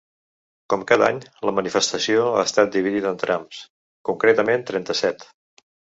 Com cada any, la manifestació ha estat dividida en trams, concretament trenta-set.